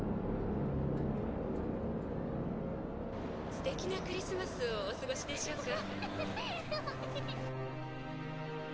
「素敵なクリスマスをお過ごしでしょうか？」